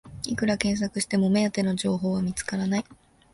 いくら検索しても目当ての情報は見つからない